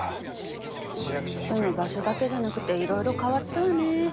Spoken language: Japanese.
住む場所だけじゃなくていろいろ変わったわね。